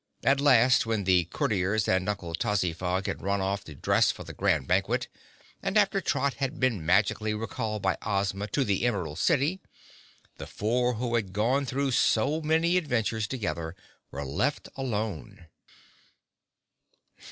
At last, when the Courtiers and Uncle Tozzyfog had run off to dress for the grand banquet, and after Trot had been magically recalled by Ozma to the Emerald City, the four who had gone through so many adventures together were left alone.